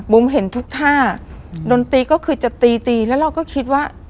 เห็นทุกท่าดนตรีก็คือจะตีตีแล้วเราก็คิดว่า